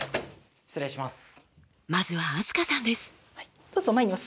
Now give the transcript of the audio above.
失礼します。